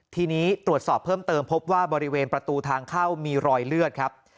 ทีนี้ตรวจสอบเพิ่มเติมพบว่าบริเวณประตูทางเข้ามีรอยเลือดครับ